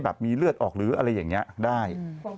มีเลือดออกหรืออะไรอย่างนี้ได้